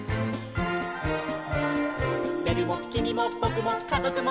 「べるもきみもぼくもかぞくも」